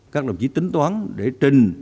các đồng chí tính toán để trình